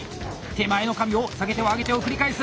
手前の紙を下げては上げてを繰り返す！